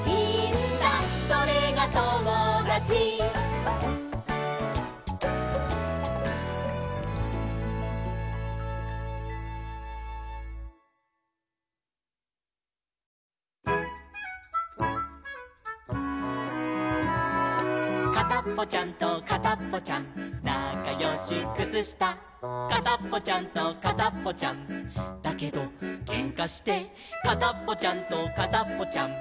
「それがともだち」「かたっぽちゃんとかたっぽちゃんなかよしくつした」「かたっぽちゃんとかたっぽちゃんだけどけんかして」「かたっぽちゃんとかたっぽちゃん」